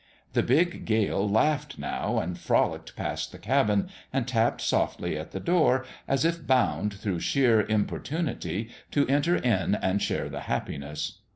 The big gale laughed, now, and frolicked past the cabin, and tapped softly at the door, as if bound, through sheer importunity, to enter in and share the happiness.